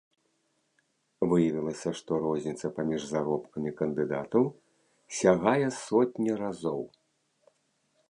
Выявілася, што розніца паміж заробкамі кандыдатаў сягае сотні разоў.